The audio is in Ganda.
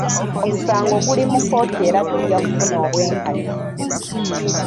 Omusango guli mu kkooti era tujja kufuna obwenkanya.